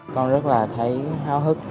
con rất là thấy hào hức